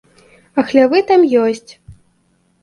А хлявы там ёсць.